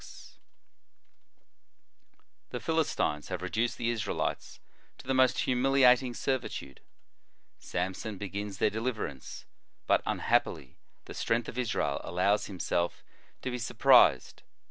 x. loo TJie Sign of the Cross The Philistines have reduced the Israelites to the most humiliating servitude. Samson begins their deliverance, but, unhappily, the strength of Israel allows himself to be sur prised.